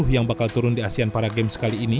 yang bakal turun di asi